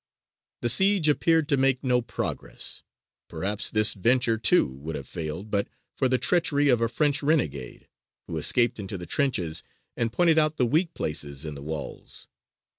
The siege appeared to make no progress. Perhaps this venture, too, would have failed, but for the treachery of a French renegade, who escaped into the trenches and pointed out the weak places in the walls.